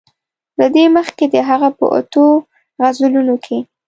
له دې مخکې د هغه په اتو غزلونو کې.